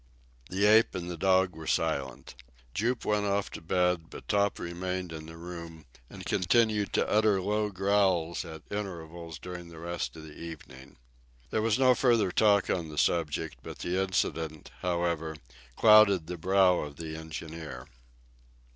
The ape and the dog were silent. Jup went off to bed, but Top remained in the room, and continued to utter low growls at intervals during the rest of the evening. There was no further talk on the subject, but the incident, however, clouded the brow of the engineer.